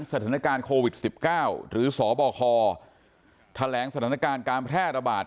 สถานการณ์โควิด๑๙หรือสบคแถลงสถานการณ์การแพร่ระบาด